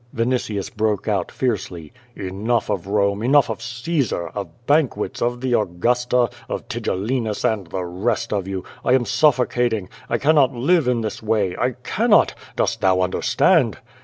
Vinitius broke out fiercely. "Enough of Rome, enough of Caesar, of banquets, of the Augusta, of Tigellinus and the \ rest of you. I am suffocating. I cannot live in this way. 1 I cannot! Dost thou understand?"